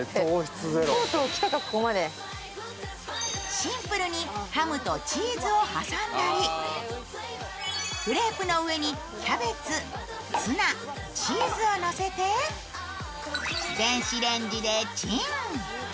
シンプルにハムとチーズを挟んだり、クレープの上にキャベツ、ツナ、チーズをのせて電子レンジでチン。